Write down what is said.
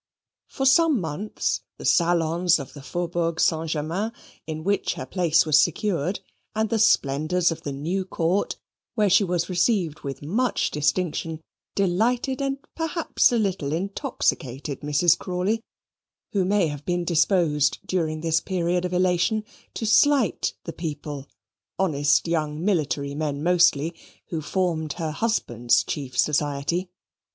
For some months the salons of the Faubourg St. Germain, in which her place was secured, and the splendours of the new Court, where she was received with much distinction, delighted and perhaps a little intoxicated Mrs. Crawley, who may have been disposed during this period of elation to slight the people honest young military men mostly who formed her husband's chief society.